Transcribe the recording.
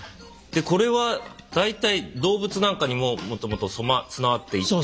これは大体動物なんかにももともと備わっていて。